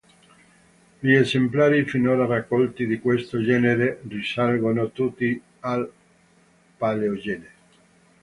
Gli esemplari finora raccolti di questo genere risalgono tutti al Paleogene.